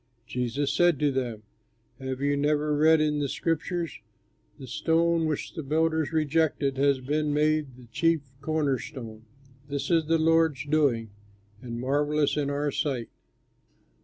Jesus said to them, "Have you never read in the scriptures: "'The stone which the builders rejected Has been made the chief corner stone; This is the Lord's doing, And marvellous in our sight.'"